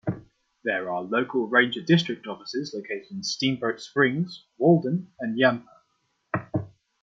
There are local ranger district offices located in Steamboat Springs, Walden, and Yampa.